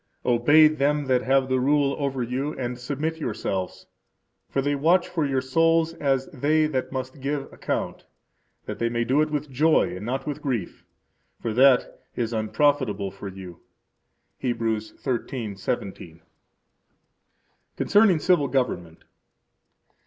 Obey them that have the rule over you, and submit yourselves; for they watch for your souls as they that must give account, that they may do it with joy and not with grief; for that is unprofitable for you. Heb. 13:17.] Concerning Civil Government.